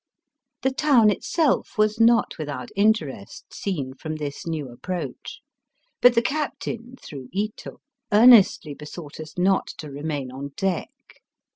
The town itself was not without interest seen from this new approach. But the cap tain, through Ito, earnestly besought us not to remain on deck.